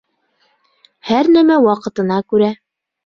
Һәр нәмә ваҡытына күрә.